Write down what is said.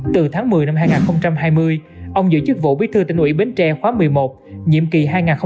từ tháng một mươi năm hai nghìn hai mươi ông giữ chức vụ bí thư thành ủy bến tre khóa một mươi một nhiệm kỳ hai nghìn hai mươi hai nghìn hai mươi năm